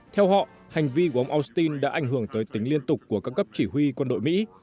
theo họ hành vi của ông austin đã ảnh hưởng tới tính liên tục của các cấp chỉ huy quân đội mỹ